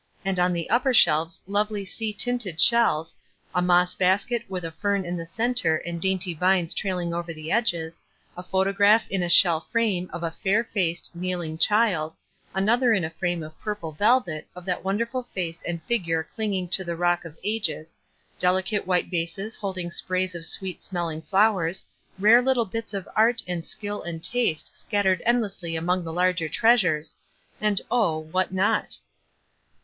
and on the upper shelves lovely sea tinted shells, a moss basket with a fern in the center and dainty vines trailing over the edges, a photograph in a shell frame of a fair faced, kneeling child, another in a frame of purple velvet of that wonderful face and figure cling ing to the "Rock of Ages," delicate white vases holding sprays of sweet smnlling flowers, rare little bits of art and skill and taste scat ered endlessly among the larger treasures — and oh, what not?